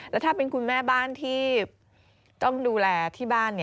แล้วถ้าเป็นคุณแม่บ้านที่ต้องดูแลที่บ้าน